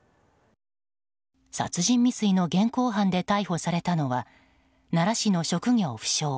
殺人未遂の現行犯で逮捕されたのは奈良市の職業不詳